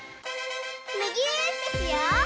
むぎゅーってしよう！